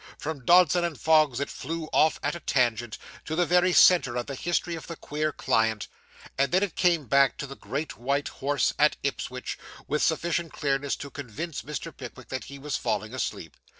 From Dodson & Fogg's it flew off at a tangent, to the very centre of the history of the queer client; and then it came back to the Great White Horse at Ipswich, with sufficient clearness to convince Mr. Pickwick that he was falling asleep.